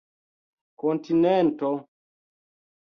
kontinento